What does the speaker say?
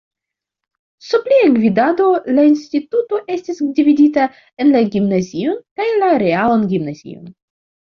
Sub lia gvidado la instituto estis dividita en la gimnazion kaj la realan gimnazion.